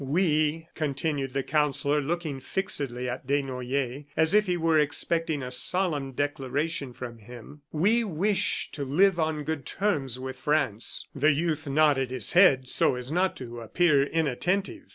"We," continued the Counsellor looking fixedly at Desnoyers as if he were expecting a solemn declaration from him, "we wish to live on good terms with France." The youth nodded his head so as not to appear inattentive.